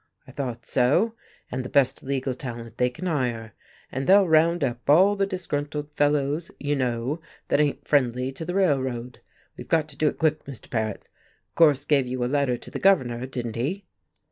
I thought so, and the best legal talent they can hire. And they'll round up all the disgruntled fellows, you know, that ain't friendly to the Railroad. We've got to do it quick, Mr. Paret. Gorse gave you a letter to the Governor, didn't he?"